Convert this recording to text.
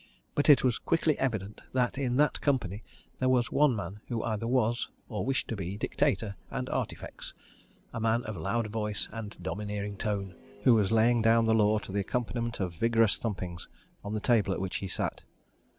But it was quickly evident that in that company there was one man who either was, or wished to be dictator and artifex a man of loud voice and domineering tone, who was laying down the law to the accompaniment of vigorous thumpings of the table at which he sat.